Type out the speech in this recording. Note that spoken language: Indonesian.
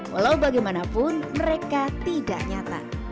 walau bagaimanapun mereka tidak nyata